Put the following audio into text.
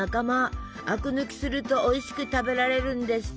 アク抜きするとおいしく食べられるんですって。